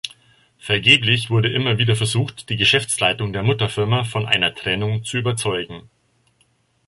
Vergeblich wurde immer wieder versucht, die Geschäftsleitung der Mutterfirma von einer Trennung zu überzeugen.